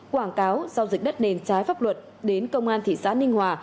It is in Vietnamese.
quảng cáo giao dịch đất nền trái pháp luật đến công an thị xã ninh hòa